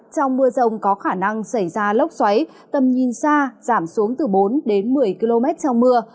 trong mưa rông có khả năng xảy ra lốc xoáy tầm nhìn xa giảm xuống từ bốn đến một mươi km trong mưa